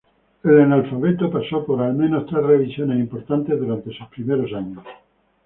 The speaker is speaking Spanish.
El alfabeto pasó por al menos tres revisiones importantes durante sus primeros años.